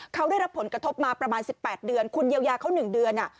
เขาได้รับผลกระทบมาประมาณ๑๘เดือนคุณเยียวยาเขา๑เดือน